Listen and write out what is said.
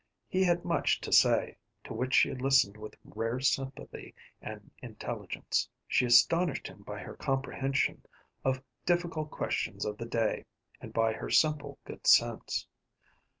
He had much to say, to which she listened with rare sympathy and intelligence. She astonished him by her comprehension of difficult questions of the day, and by her simple good sense.